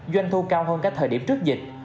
doanh thu cao hơn các thời điểm trước dịch